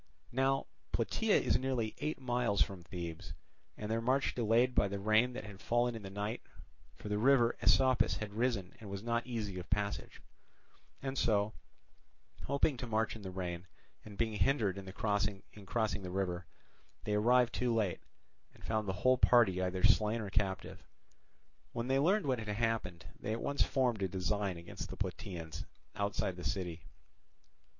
Now Plataea is nearly eight miles from Thebes, and their march delayed by the rain that had fallen in the night, for the river Asopus had risen and was not easy of passage; and so, having to march in the rain, and being hindered in crossing the river, they arrived too late, and found the whole party either slain or captive. When they learned what had happened, they at once formed a design against the Plataeans outside the city.